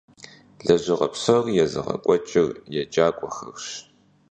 Лэжьыгъэ псори езыгъэкӀуэкӀыр еджакӀуэхэрщ.